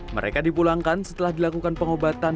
mereka dipulangkan setelah dilakukan pengobatan